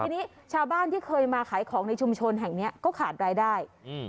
ทีนี้ชาวบ้านที่เคยมาขายของในชุมชนแห่งเนี้ยก็ขาดรายได้อืม